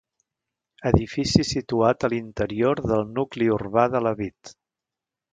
Edifici situat a l'interior del nucli urbà de Lavit.